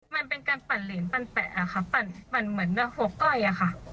มันเป็นการปั่นเหรนปั่นแปะอะค่ะปั่นเหมือนหัวก้อยอะค่ะ